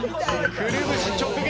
くるぶし直撃！